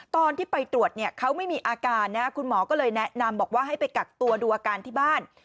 ตอนที่ไปตรวจเนี่ยเขาไม่มีอาการนะคุณหมอก็เลยแนะนำบอกว่าให้ไปกักตัวดูอาการที่บ้าน